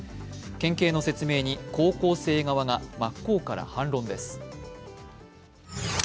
県警の説明に高校生側が真っ向から反論です。